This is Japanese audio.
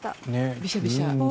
びしゃびしゃ？